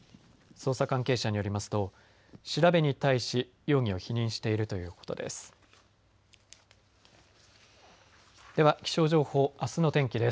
捜査関係者によりますと調べに対し容疑を否認しているということです。